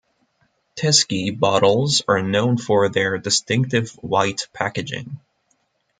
Tyskie bottles are known for their distinctive white packaging.